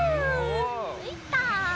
ついた！